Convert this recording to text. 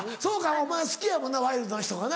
お前好きやもんなワイルドな人がな。